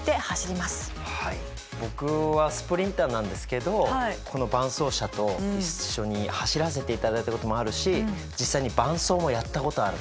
僕はスプリンターなんですけどこの伴走者と一緒に走らせていただいたこともあるし実際に伴走もやったことあるんですよ。